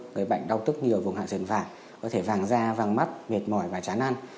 người bệnh đau tức nhiều vùng hạ dần vàng có thể vàng da vàng mắt mệt mỏi và chán ăn